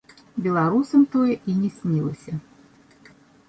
Беларусам тое і не снілася.